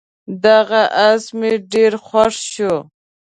دغه اس مې ډېر خوښ شو.